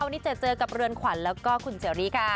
วันนี้จะเจอกับเรือนขวัญแล้วก็คุณเจ๋วนี้ค่ะ